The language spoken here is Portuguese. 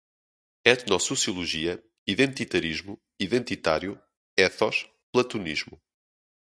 Etnosociologia, identitarismo, identitário, ethos, platonismo